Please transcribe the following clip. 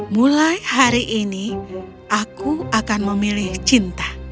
mulai hari ini aku akan memilih cinta